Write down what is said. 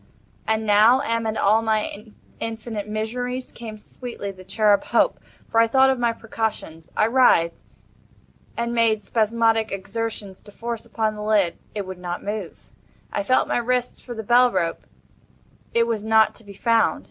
And now, amid all my infinite miseries, came sweetly the cherub Hope—for I thought of my precautions. I writhed, and made spasmodic exertions to force open the lid: it would not move. I felt my wrists for the bell rope: it was not to be found.